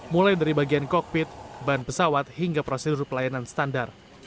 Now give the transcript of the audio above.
mulai dari bagian kokpit ban pesawat hingga prosedur pelayanan standar